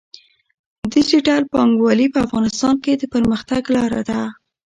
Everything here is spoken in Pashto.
ډیجیټل بانکوالي په افغانستان کې د پرمختګ لاره ده.